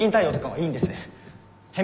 はい。